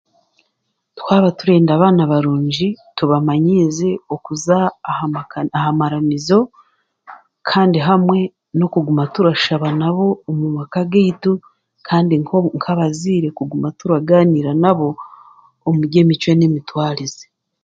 Twaaba turenda abaana barungi, tubamanyiize okuza aha maramizo kandi hamwe n'okuguma turashaba naabo omumaka gaitu kandi nk'abazeire kuguma turagaanira naabo omu by'emicwe n'emitwarize.